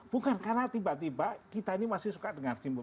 bukan karena tiba tiba kita ini masih suka dengan simbol